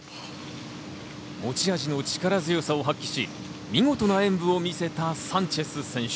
持ち味の力強さを発揮し、見事な演武を見せたサンチェス選手。